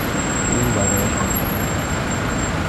پول برایش مسئلهای نیست.